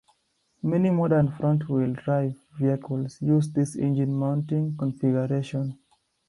Many modern front wheel drive vehicles use this engine mounting configuration.